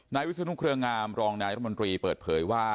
วิศนุเครืองามรองนายรัฐมนตรีเปิดเผยว่า